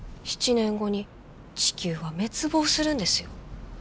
７年後に地球は滅亡するんですよ？